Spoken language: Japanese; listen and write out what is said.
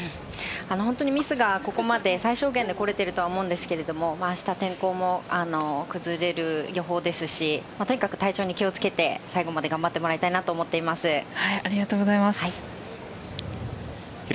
本当にミスがここまで最小限でこられてると思うんですが明日、天候も崩れる予報ですしとにかく体調に気を付けて最後に頑張ってありがとうございます。